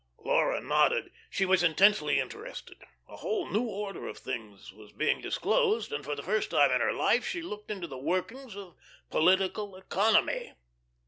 Laura nodded. She was intensely interested. A whole new order of things was being disclosed, and for the first time in her life she looked into the workings of political economy.